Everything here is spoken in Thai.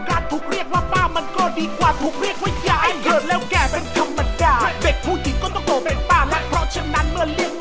กรูผู้สืบสารล้านนารุ่นแรกแรกรุ่นเลยนะครับผม